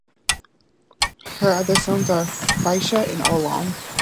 Her other sons are Fiacha and Ollom.